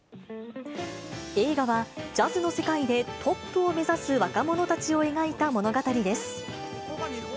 映画は、ジャズの世界でトップを目指す若者たちを描いた物語です。